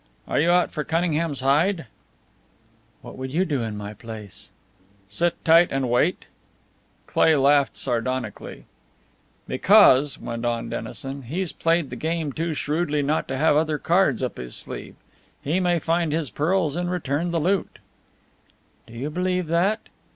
"Are you out for Cunningham's hide?" "What would you do in my place?" "Sit tight and wait." Cleigh laughed sardonically. "Because," went on Dennison, "he's played the game too shrewdly not to have other cards up his sleeve. He may find his pearls and return the loot." "Do you believe that?